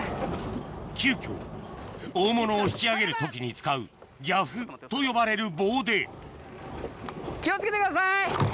急きょ大物を引き上げる時に使うギャフと呼ばれる棒で気を付けてください！